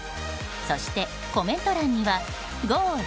そして、コメント欄にはゴー！